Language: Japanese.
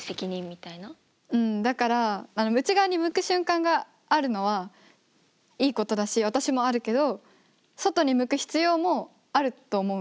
うんだから内側に向く瞬間があるのはいいことだし私もあるけど外に向く必要もあると思うんだよ。